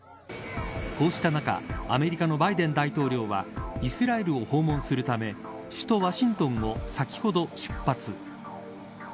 こうした中アメリカのバイデン大統領はイスラエルを訪問するため首都ワシントンを先ほど出発。